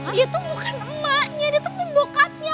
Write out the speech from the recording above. dia tuh bukan emaknya dia tuh pembokatnya